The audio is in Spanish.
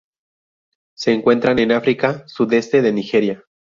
Se encuentran en África: sudeste de Nigeria.